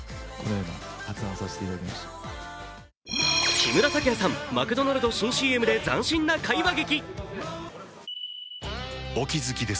木村拓哉さん、マクドナルド新ＣＭで斬新な会話劇。